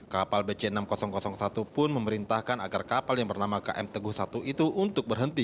kapal bc enam ribu satu pun memerintahkan agar kapal yang bernama km teguh satu itu untuk berhenti